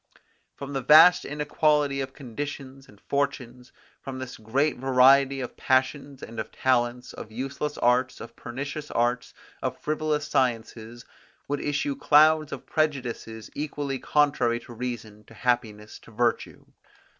From the vast inequality of conditions and fortunes, from the great variety of passions and of talents, of useless arts, of pernicious arts, of frivolous sciences, would issue clouds of prejudices equally contrary to reason, to happiness, to virtue.